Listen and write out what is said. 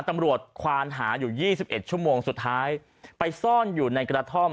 ตำรวจควานหาอยู่ยี่สิบเอ็ดชั่วโมงสุดท้ายไปซ่อนอยู่ในกระท่อม